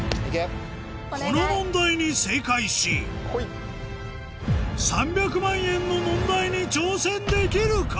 この問題に正解し３００万円の問題に挑戦できるか？